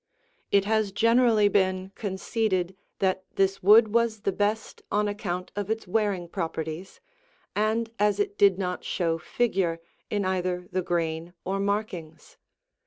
It has generally been conceded that this wood was the best on account of its wearing properties, and as it did not show figure in either the grain or markings.